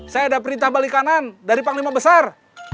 saya ada perintah balikanan dari panglima besar